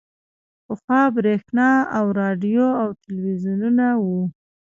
پخوا برېښنا او راډیو او ټلویزیون نه وو